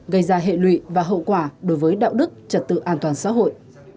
gây ra hệ lụy và hậu quả đối với đạo đức trật tự an toàn xã hội